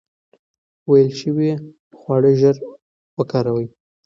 ویلې شوي خواړه ژر وکاروئ.